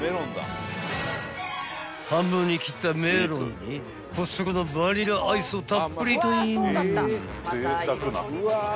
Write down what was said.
［半分に切ったメロンにコストコのバニラアイスをたっぷりとイン］